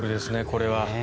これは。